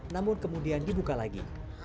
namun kemudian dibuka lagi